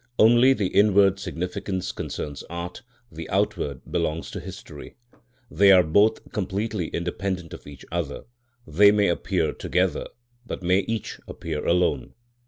Only the inward significance concerns art; the outward belongs to history. They are both completely independent of each other; they may appear together, but may each appear alone.